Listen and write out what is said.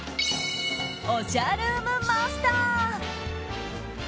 おしゃルームマスター！